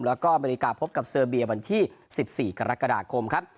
แล้วก็อเมริกาพบกับเซอร์เบียวันที่๑๔กรกฎาคมครับ